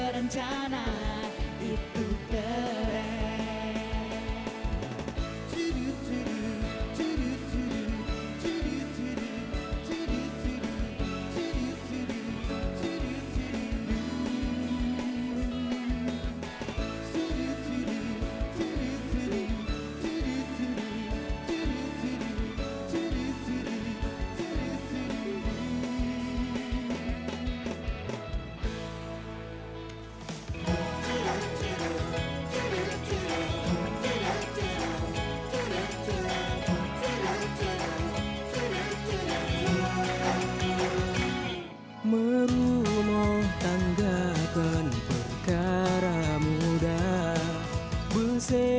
rencanakan perasaan buatare